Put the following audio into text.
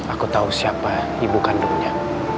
aku tahu siapa ibu kandungnya